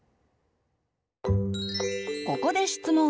ここで質問。